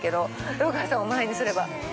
豊川さんを前にすれば。